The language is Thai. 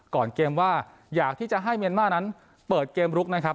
ก่อนเกมว่าอยากที่จะให้เมียนมาร์นั้นเปิดเกมลุกนะครับ